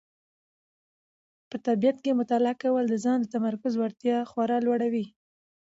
په طبیعت کې مطالعه کول د ذهن د تمرکز وړتیا خورا لوړوي.